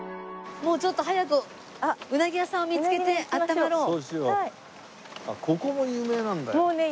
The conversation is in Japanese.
もうちょっと早くうなぎ屋さんを見つけて温まろう。